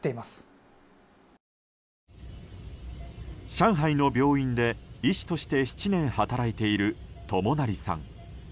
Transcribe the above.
上海の病院で医師として７年働いている友成さん。